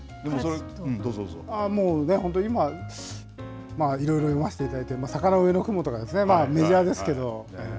本当今、まあ、いろいろ読ませていただきまして、坂の上の雲とかですね、メジャーですけど。